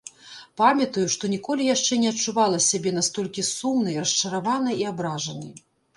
Памятаю, што ніколі яшчэ не адчувала сябе настолькі сумнай, расчараванай і абражанай.